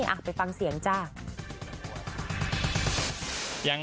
อ่ะไปฟังเสียงจ้า